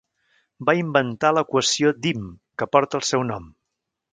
Va inventar l'equació Dym, que porta el seu nom.